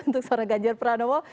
untuk suara ganjar peranowo